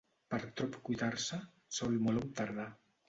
Per trop cuitar-se, sol molt hom tardar.